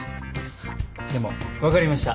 でも分かりました。